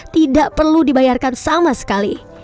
tidak perlu dibayarkan sama sekali